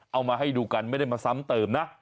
เอามาให้ดูกันไม่ได้มาซ้ำเติมนะ